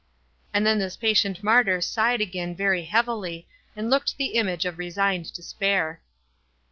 And then this patient martyr sighed again very heavily, and looked the image of resigned despair.